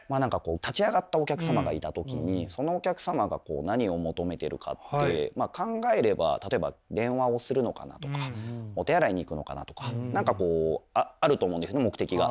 立ち上がったお客様がいた時にそのお客様が何を求めてるかって考えれば例えば電話をするのかなとかお手洗いに行くのかなとか何かこうあると思うんです目的が。